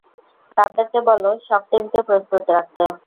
তাদেরকে বলো শক টিমকে প্রস্তুত রাখতে।